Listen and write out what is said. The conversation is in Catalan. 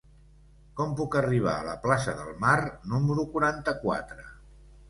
Com puc arribar a la plaça del Mar número quaranta-quatre?